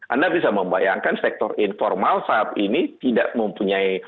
anda bisa membayangkan sektor informal saat ini tidak mempunyai